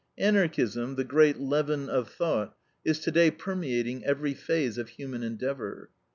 Anarchism, the great leaven of thought, is today permeating every phase of human endeavor.